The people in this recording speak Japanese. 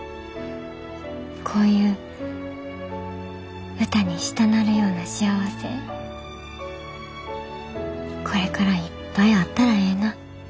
こういう歌にしたなるような幸せこれからいっぱいあったらええな。